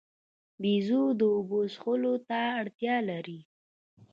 بیزو د اوبو څښلو ته اړتیا لري.